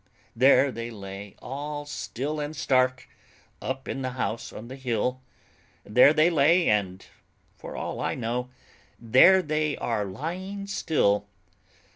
There they lay, all still and stark, Up in the house on the hill; There they lay, and, for all I know, There they are lying still.